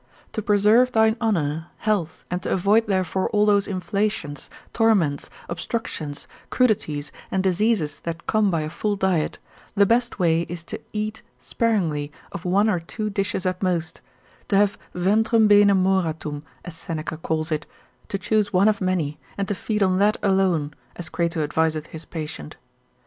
To preserve thine honour, health, and to avoid therefore all those inflations, torments, obstructions, crudities, and diseases that come by a full diet, the best way is to feed sparingly of one or two dishes at most, to have ventrem bene moratum, as Seneca calls it, to choose one of many, and to feed on that alone, as Crato adviseth his patient.